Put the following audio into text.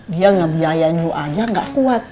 dia ngebiayain aja gak kuat